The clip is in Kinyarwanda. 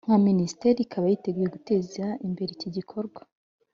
nka minisiteri ikaba yiteguye guteza imbere icyi gikorwa